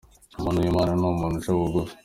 Umuntu w’Imana ni umuntu uca bugufi